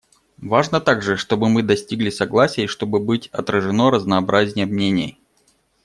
Важно также, чтобы мы достигли согласия и чтобы быть отражено разнообразие мнений.